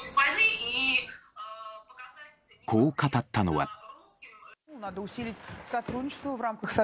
こう語ったのは。